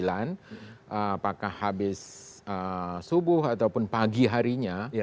apakah habis subuh ataupun pagi harinya